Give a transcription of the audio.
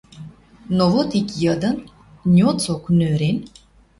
Но вот ик йыдын, ньыцок йӧрен